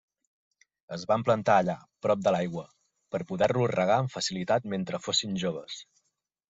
Es van plantar allà, prop de l'aigua, per poder-los regar amb facilitat mentre fossin joves.